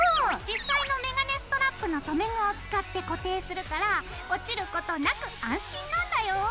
実際のメガネストラップの留め具を使って固定するから落ちることなく安心なんだよ。